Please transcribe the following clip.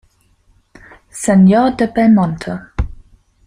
Señor de Belmonte.